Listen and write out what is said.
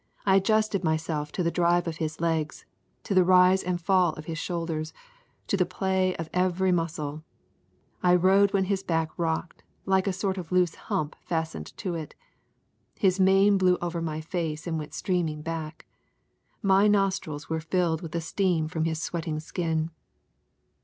I adjusted myself to the drive of his legs, to the rise and fall of his shoulders, to the play of every muscle. I rode when his back rocked, like a sort of loose hump fastened on it. His mane blew over my face and went streaming back. My nostrils were filled with the steam from his sweating skin.